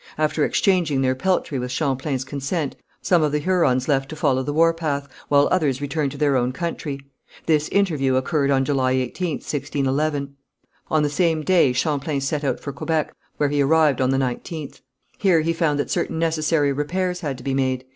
After exchanging their peltry with Champlain's consent, some of the Hurons left to follow the war path, while others returned to their own country. This interview occurred on July 18th, 1611. On the same day Champlain set out for Quebec, where he arrived on the nineteenth. Here he found that certain necessary repairs had to be made.